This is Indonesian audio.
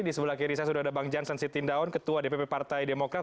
di sebelah kiri saya sudah ada bang jansen sitindaun ketua dpp partai demokrat